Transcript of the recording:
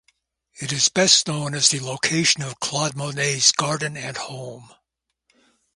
It is best known as the location of Claude Monet's garden and home.